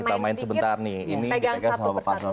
boleh ya kita main sebentar nih ini kita pegang sama bapak sofian